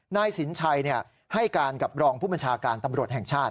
นายสินชัยให้การกับรองผู้บัญชาการตำรวจแห่งชาติ